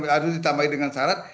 harus ditambahi dengan syarat